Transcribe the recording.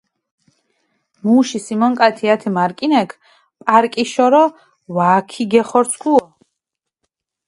მუში სიმონკათი ათე მარკინექ პარკიშორო ვაქიგეხორცქუო.